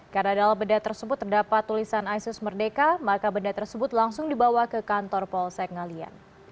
karena dalam benda tersebut terdapat tulisan isus merdeka maka benda tersebut langsung dibawa ke kantor polsek ngalian